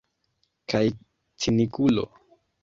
Kaj cinikulo.